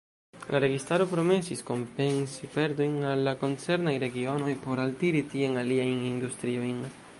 La registaro promesis kompensi perdojn al la koncernaj regionoj por altiri tien aliajn industriojn.